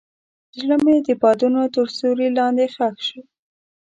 زړه مې د بادونو تر سیوري لاندې ښخ شو.